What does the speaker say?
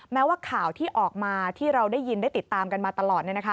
แม้ว่าข่าวที่ออกมาที่เราได้ยินได้ติดตามกันมาตลอด